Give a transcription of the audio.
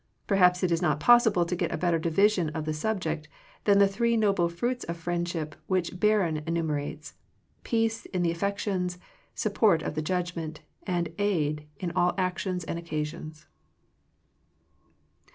Perhaps it is not possible to get a better division of the subject than the three noble fruits of friendship which Bacon enumerates — peace in the affec tions, support of the judgment, and aid in all actions and occasions.